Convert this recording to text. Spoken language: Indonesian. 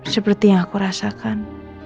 seperti yang aku rasakan